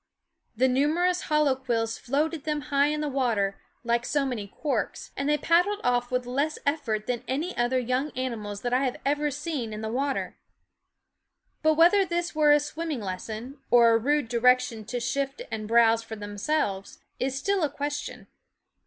The numerous hollow quills floated them high in the water, like so many corks, and they paddled off with less effort than any other young animals that I have ever seen in THE WOODS H the water. But whether this were a swim ming lesson, or a rude direction to shift and browse for themselves, is still a question.